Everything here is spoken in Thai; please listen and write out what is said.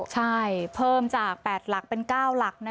ใช่เพิ่มจาก๘หลักเป็น๙หลัก